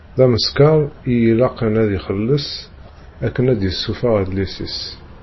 D ameskar i ilaqen ad ixelleṣ akken ad d-yessufeɣ adlis-is.